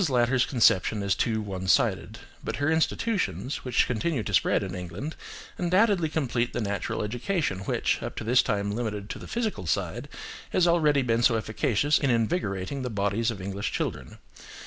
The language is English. Latter's conception is too one sided; but her institutions, which continue to spread in England, undoubtedly complete the natural education which, up to this time limited to the physical side, has already been so efficacious in invigorating the bodies of English children.